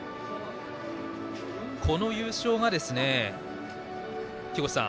この優勝が、木越さん